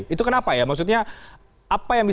itu kenapa ya maksudnya